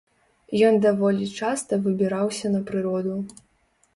Ён даволі часта выбіраўся на прыроду.